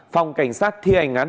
phòng cảnh sát thi hành án hình dung